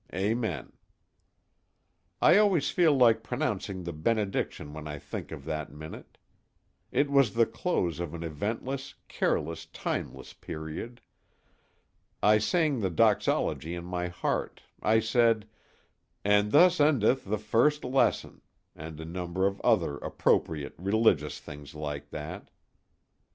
Amen. I always feel like pronouncing the benediction when I think of that minute. It was the close of an eventless, careless, tiresome period. I sang the doxology in my heart I said, "and thus endeth the first lesson," and a number of other appropriate, religious things like that.